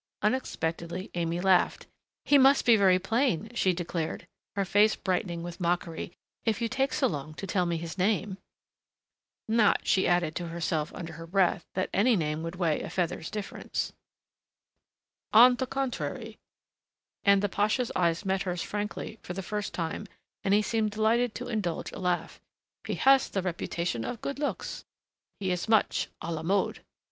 Unexpectedly Aimée laughed. "He must be very plain," she declared, her face brightening with mockery, "if you take so long to tell me his name!" Not, she added to herself under her breath, that any name would weigh a feather's difference! "On the contrary," and the pasha's eyes met hers frankly for the first time and he seemed delighted to indulge a laugh, "he has the reputation of good looks. He is much à la mode."